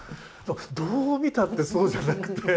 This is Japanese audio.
どう見たってそうじゃなくて。